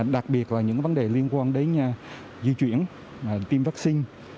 đặc biệt là những vấn đề liên quan đến di chuyển tiêm vaccine